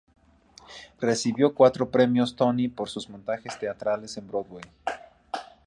Recibió cuatro premios Tony por sus montajes teatrales en Broadway.